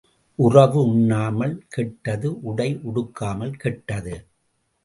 உறவு உண்ணாமல் கெட்டது உடை உடுக்காமல் கெட்டது.